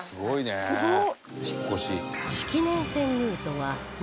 すごっ！